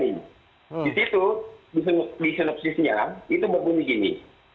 di situ di sinopsisnya itu berbunyi gini